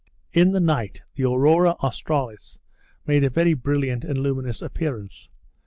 In the night the Aurora Australis made a very brilliant and luminous appearance.